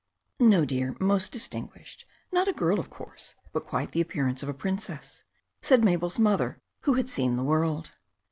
"No, dear. Most distinguished. Not a girl, of course, but quite the appearance of a Princess," said Mabel's mother, who had seen the world.